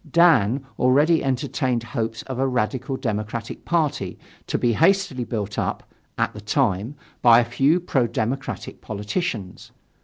Dan already entertained hopes of a radical democratic party to be hastily built up, at the time, by a few pro democratic politicians.